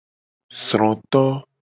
Sroto.